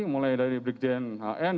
mulai dari brik jnhn